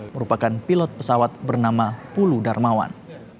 merupakan pilot pesawat bernama pulu darmawan